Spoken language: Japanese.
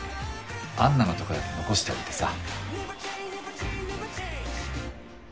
安奈のとこだけ残しておいてさ。